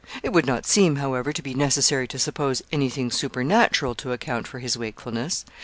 It would not seem, however, to be necessary to suppose any thing supernatural to account for his wakefulness.